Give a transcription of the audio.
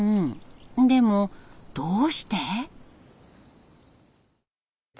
でもどうして？